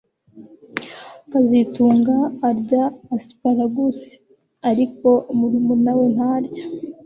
kazitunga arya asparagus ariko murumuna we ntarya